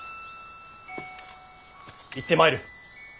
行ってまいる。